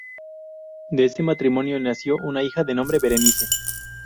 De este matrimonio nació una hija, de nombre Berenice.